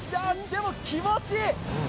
でも気持ちいい！